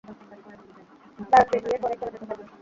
গায়ত্রীর বিয়ের পরেই চলে যেতে পারবো।